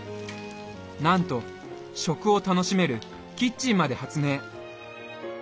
なんと食を楽しめるキッチンまで発明。